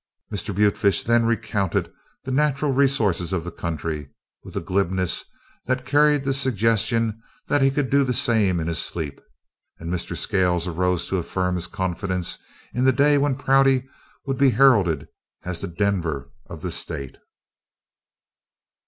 Mr. Butefish then recounted the natural resources of the country with a glibness that carried the suggestion that he could do the same in his sleep, and Mr. Scales arose to affirm his confidence in the day when Prouty would be heralded as "the Denver of the State."